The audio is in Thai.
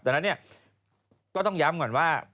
ดังนั้นเนี่ยก็ต้องย้ำก่อนว่า